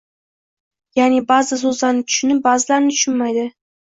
ya’ni ba’zi so‘zlarni tushunib, ba’zilarini tushunmaydi.